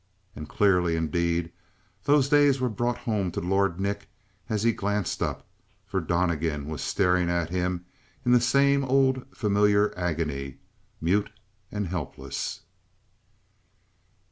And clearly, indeed, those days were brought home to Lord Nick as he glanced up, for Donnegan was staring at him in the same old, familiar agony, mute and helpless.